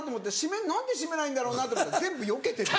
何で閉めないんだろうなと思ったら全部よけてた。